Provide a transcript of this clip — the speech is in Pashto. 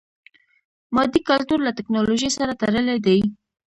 مادي کلتور له ټکنالوژي سره تړلی دی.